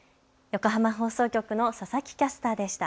横浜放送局の佐々木キャスターでした。